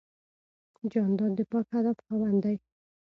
جانداد د پاک هدف خاوند دی.